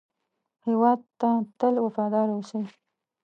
هېواد ته تل وفاداره اوسئ